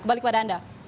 kembali kepada anda